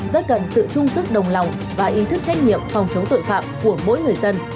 rất cần sự trung sức đồng lòng và ý thức trách nhiệm phòng chống tội phạm của mỗi người dân